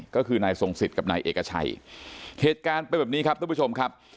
ก็คือนายทรงสิทธิ์กับนายเอกชัยเหตุการณ์เป็นแบบนี้ครับทุกผู้ชมครับ